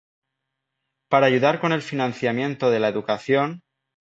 Para ayudar con el financiamiento de la educación.